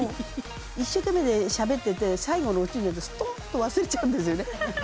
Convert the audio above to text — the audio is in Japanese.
一生懸命しゃべってて最後のオチになるとストンと忘れちゃうんですよね。